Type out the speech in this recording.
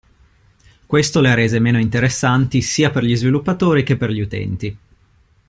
Questo le ha rese meno interessanti sia per gli sviluppatori che per gli utenti.